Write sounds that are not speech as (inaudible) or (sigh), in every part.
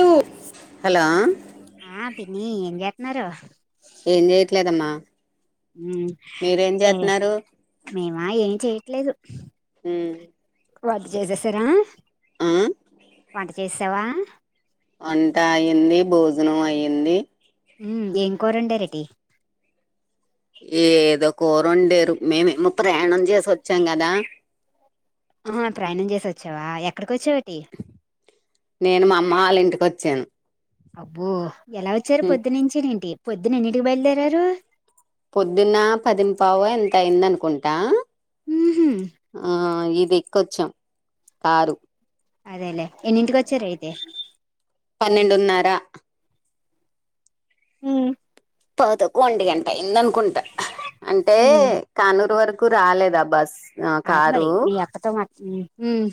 ర (unintelligible) హలో నీ ఏం చేస్తున్నారు ఏం చెయట్లేదమ్మా ఏం మేమా ఏం చేయట్లేదు లేదు హమ్ వంట చేసేసారా పంట చేసావా వంట అయింది భోజనం అయ్యింది హమ్ ఏం కూర వండారేంటి ఏదో కూరుండేరు మేమేమో ప్రయాణం చేసి వచ్చాం కదా ఆ ప్రయాణం చేసొచ్చావా ఎక్కడ నేను మా అమ్మ వాళ్ళ ఇంటికి వచ్చాను అబ్బో ఎలా వచ్చారు ఉమ్ పొద్దునుంచి నేంటి పొద్దున ఎన్నింటికి బయలుదేరారు పొద్దున్న పదిం పావ్ ఎంత అయిందనుకుంటా ఉహు ఆ ఈ ఇది ఎక్కొచ్చాం కారు అదేలే ఎన్నింటికి వచ్చారెంటి పన్నెండున్నారా హుమ్ పదకొండు గంటై అయిందన్ కుంట అంటే ఉమ్, కానూరు వరకు కు రాలేదా బస్ ఆ అవు మరి కారు మీ అక్కతో మాత్ హుమ్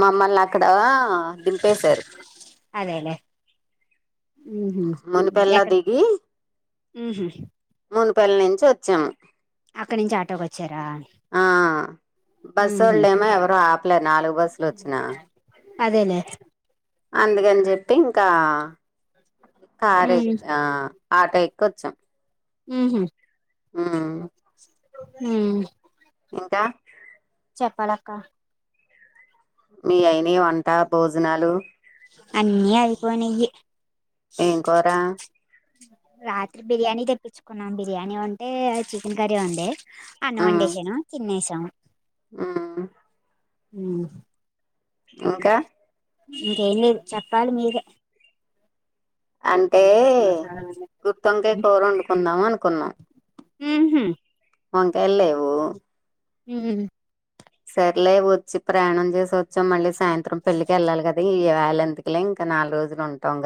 మమ్మల్న అక్కడ దింపేశారు అదేలే ఉహు మునిపెల్లా ఎక్కడ దిగి ఉహు మూనుపేల్ల నుంచి వచ్చాం అక్కడి నుంచి ఆటోకి వచ్చారా ఆ ఉహు బస్సొళ్లూ ఏమో ఎవరు ఆపలేరు నాలుగు బస్సులు వచ్చినా అదేలే అందుకని చెప్పి ఇంకా కార్ ఉమ్ ఎక్కి ఆ ఆటో ఎక్కొచ్చాం ఉహు ఉమ్ ఉహ్ దా పలకా మీ అయినయ వంటా భోజనాలు అన్నీ అయిపోయినాయి ఏం కూర రాత్రి బిర్యానీ తెప్పించుకున్నాం బిర్యానీ ఉంటే చికెన్ కర్రీ ఉండే అన్నం వండేషను తిన్నేస ఉహ్ ఉహ్ ఇంకా ఇంకేం లేదు చెప్పాలి మీరే అంటే గుత్తోంకయి కూర వండుకుందాం అనుకున్నా ఉహు వంకాయలు లేవు ఉహు సర్లే వచ్చి ప్రయాణం చేసి వచ్చాం మళ్ళీ సాయంత్రం పెళ్ళికి వెళ్ళాలి కదా ఈ వేళ ఎందుకులే ఇంకా నాలుగు రోజులు ఉంటాం కదా